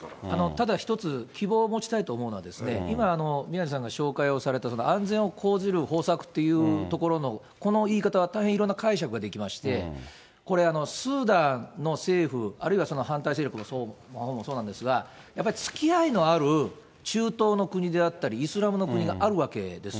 ただ一つ、希望を持ちたいと思うのはですね、今、宮根さんが紹介をされた安全を講ずる方策というところのこの言い方は、大変いろんな解釈ができまして、スーダンの政府、あるいはその反対勢力のほうもそうなんですが、やっぱりつきあいのある中東の国であったり、イスラムの国があるわけです。